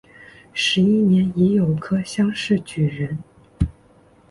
十一年乙酉科乡试举人。